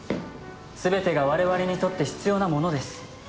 すべてが我々にとって必要なものです。